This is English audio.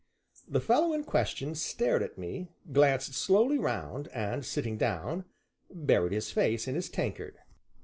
The fellow in question stared at me, glanced slowly round, and, sitting down, buried his face in his tankard.